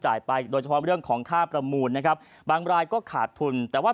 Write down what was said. ไปโดยเฉพาะเรื่องของค่าประมูลนะครับบางรายก็ขาดทุนแต่ว่า